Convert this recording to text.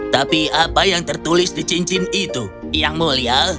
tapi apa yang tertulis di cincin itu yang mulia